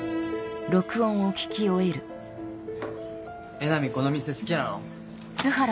江波この店好きなの？